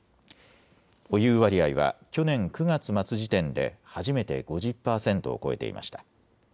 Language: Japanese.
保有割合は去年９月末時点で初めて５０％を超えていました。